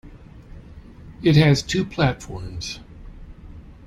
It has two platforms.